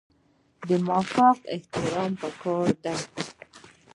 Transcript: د مافوق احترام پکار دی